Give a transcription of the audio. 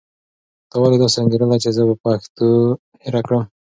تا ولې داسې انګېرله چې زه به پښتو هېره کړم؟